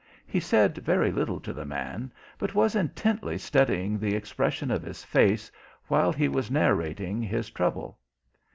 He said very little to the man, but was intently studying the expression of his face while he was narrating his trouble.